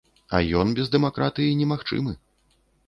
А ён без дэмакратыі немагчымы.